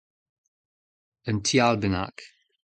Un ti all bennak.